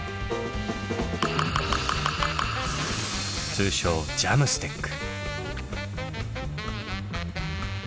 通称ＪＡＭＳＴＥＣ。